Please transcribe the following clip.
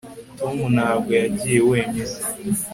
tom ntabwo yagiye wenyine